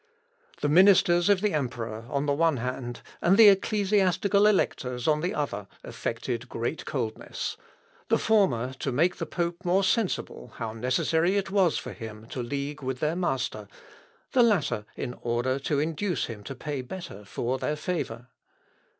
The ministers of the emperor, on the one hand, and the ecclesiastical electors, on the other, affected great coldness the former to make the pope more sensible how necessary it was for him to league with their master, the latter in order to induce him to pay better for their favour.